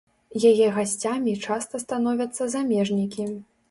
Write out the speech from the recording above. Яе гасцямі часта становяцца замежнікі.